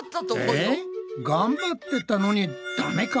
え頑張ってたのにダメか？